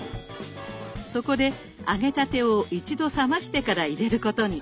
そこで揚げたてを一度冷ましてから入れることに。